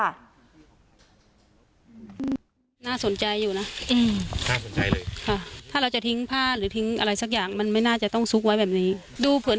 มันก็นานสงสัยนะทันทีที่ทราบข่าวรีบมาดูเลย